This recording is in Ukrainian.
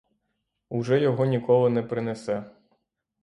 Уже його ніколи не принесе.